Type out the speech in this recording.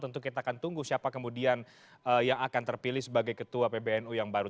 tentu kita akan tunggu siapa kemudian yang akan terpilih sebagai ketua pbnu yang baru